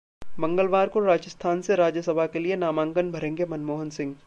मंगलवार को राजस्थान से राज्यसभा के लिए नामांकन भरेंगे मनमोहन सिंह